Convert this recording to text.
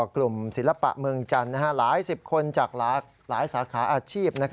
กลุ่มศิลปะเมืองจันทร์หลายสิบคนจากหลายสาขาอาชีพ